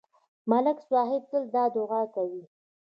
ملک صاحب تل دا دعا کوي